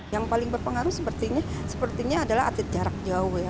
yang paling berpengaruh sepertinya adalah atlet jarak jauh ya